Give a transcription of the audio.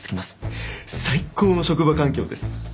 最高の職場環境です。